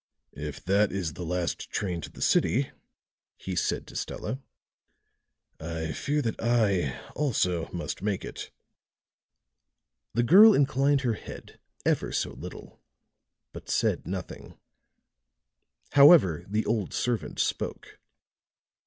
"If that is the last train to the city," he said to Stella, "I fear that I, also, must make it." The girl inclined her head ever so little, but said nothing. However, the old servant spoke.